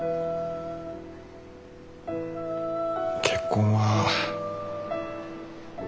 結婚は。